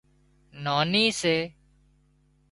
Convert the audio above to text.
ناني سي